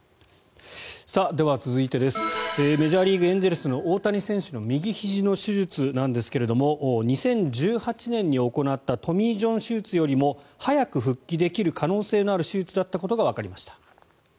では、続いてメジャーリーグ、エンゼルスの大谷選手の右ひじの手術なんですが２０１８年に行ったトミー・ジョン手術よりも早く復帰できる可能性のある手術だったことがわかりました。